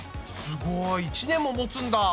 すごい１年ももつんだ！